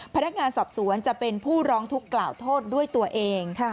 พนักงานสอบสวนจะเป็นผู้ร้องทุกข์กล่าวโทษด้วยตัวเอง